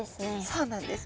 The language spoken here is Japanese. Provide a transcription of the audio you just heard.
そうなんです。